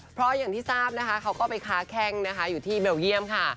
เพราะอย่างที่ทราบนะคะเขาก็ไปค้าแข้งนะคะอยู่ที่เบลเยี่ยมค่ะ